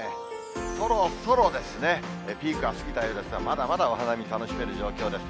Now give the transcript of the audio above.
そろそろですね、ピークが過ぎたようですが、まだまだお花見楽しめる状況です。